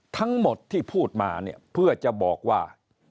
ทั้งหมดที่พูดมาเนี่ยเพื่อจะบอกว่า